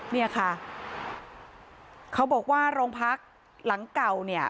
เนี่ยค่ะเขาบอกว่าโรงพักหลังเก่าเนี่ย